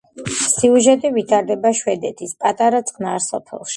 სიუჟეტი ვითარდება შვედეთის პატარა, წყნარ სოფელში.